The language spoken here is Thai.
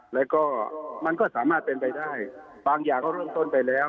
แล้วก็มันก็สามารถเป็นไปได้บางอย่างก็เริ่มต้นไปแล้ว